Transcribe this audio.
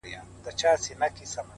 o راسه دعا وكړو؛